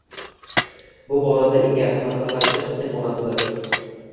Bu borada eng yaqin maslahatchi qizning onasidir.